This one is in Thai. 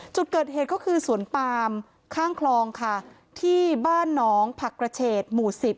จุดเกิดเหตุก็คือสวนปามข้างคลองค่ะที่บ้านน้องผักกระเฉดหมู่สิบ